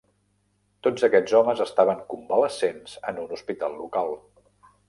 Tots aquests homes estaven "convalescents" en un hospital local.